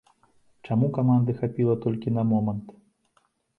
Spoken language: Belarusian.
Чаму каманды хапіла толькі на момант?